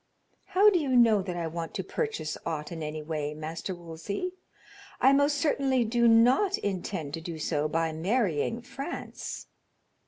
"How do you know that I want to purchase aught in any way, Master Wolsey? I most certainly do not intend to do so by marrying France."